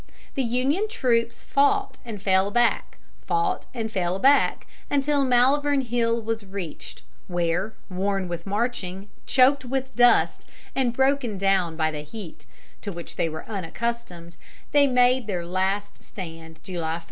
The Union troops fought and fell back, fought and fell back, until Malvern Hill was reached, where, worn with marching, choked with dust, and broken down by the heat, to which they were unaccustomed, they made their last stand, July 1.